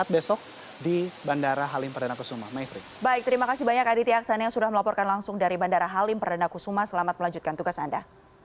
bandara halim perdana kusuma selamat melanjutkan tugas anda